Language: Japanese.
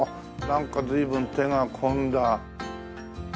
なんか随分手が込んだ。